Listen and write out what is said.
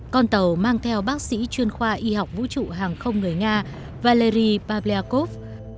con tàu mang theo bác sĩ chuyên khoa y học vũ trụ hàng không người nga valery pavlyakov